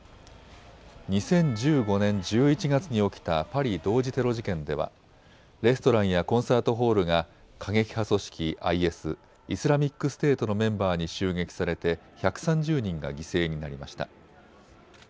２０１５年１１月に起きたパリ同時テロ事件ではレストランやコンサートホールが過激派組織ＩＳ・イスラミックステートのメンバーに襲撃されて１３０人が犠牲になりました。